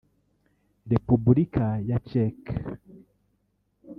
Repubilika ya Czech